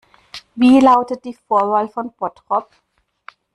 Wie lautet die Vorwahl von Bottrop?